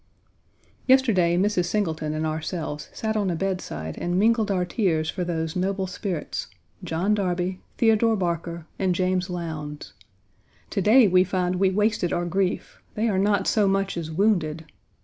Yesterday, Mrs. Singleton and ourselves sat on a bedside and mingled our tears for those noble spirits John Darby, Theodore Barker, and James Lowndes. To day we find we wasted our grief; they are not so much as wounded.